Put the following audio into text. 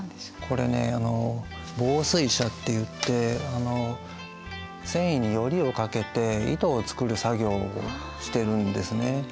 これねあの紡錘車っていって繊維にヨリをかけて糸を作る作業をしてるんですね。